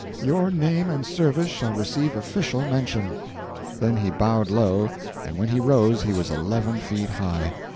Your name and service shall receive official mention." Then he bowed low, and when he rose he was eleven feet high.